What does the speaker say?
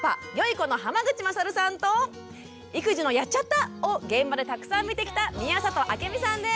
この濱口優さんと育児の「やっちゃった！」を現場でたくさん見てきた宮里暁美さんです。